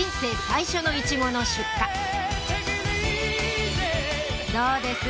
最初のイチゴの出荷どうです？